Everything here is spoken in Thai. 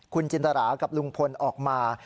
คุณจินตรากับลุงพลออกมา